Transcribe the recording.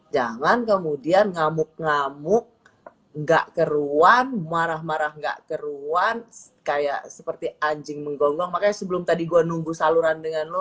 jangan kemudian ngamuk ngamuk nggak keruan marah marah nggak keruan kayak seperti anjing menggonggong makanya sebelum tadi gue nunggu saluran dengan lo